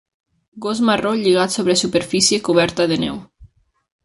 Gos marró lligat sobre superfície coberta de neu.